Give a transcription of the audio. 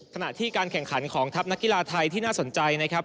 ขณะที่การแข่งขันของทัพนักกีฬาไทยที่น่าสนใจนะครับ